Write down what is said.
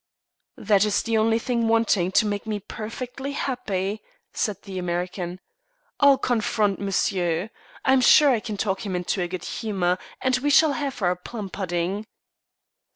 "That is the only thing wanting to make me perfectly happy," said the American. "I'll confront monsieur. I am sure I can talk him into a good humour, and we shall have our plum pudding."